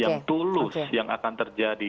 yang tulus yang akan terjadi